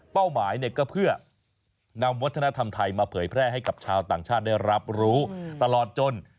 หมายก็เพื่อนำวัฒนธรรมไทยมาเผยแพร่ให้กับชาวต่างชาติได้รับรู้ตลอดจน